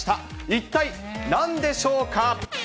一体なんでしょうか。